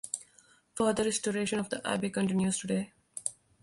Further restoration of the abbey continues today.